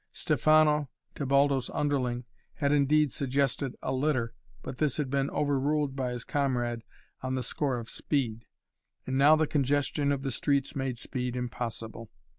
Stefano, Tebaldo's underling, had indeed suggested a litter, but this had been overruled by his comrade on the score of speed, and now the congestion of the streets made speed impossible.